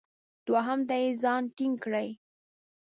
دوهم ته یې ځان ټینګ کړی.